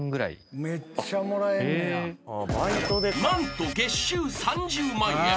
［何と月収３０万円］